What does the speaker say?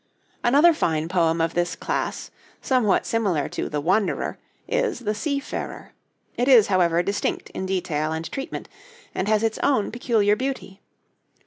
Another fine poem of this class, somewhat similar to the 'Wanderer,' is the 'Seafarer.' It is, however, distinct in detail and treatment, and has its own peculiar beauty.